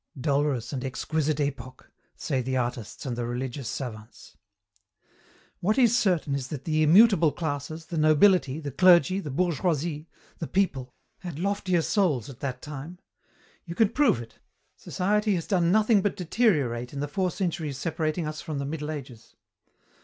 Dolorous and exquisite epoch, say the artists and the religious savants. "What is certain is that the immutable classes, the nobility, the clergy, the bourgeoisie, the people, had loftier souls at that time. You can prove it: society has done nothing but deteriorate in the four centuries separating us from the Middle Ages.